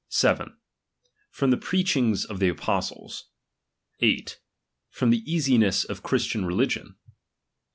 7 From the preachings of the apostles. 8. From the easiness of Christian religion.